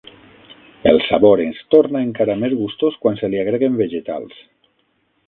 El sabor es torna encara més gustós quan se li agreguen vegetals.